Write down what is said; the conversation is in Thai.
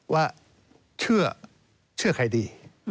ว่าเชื่อใครดี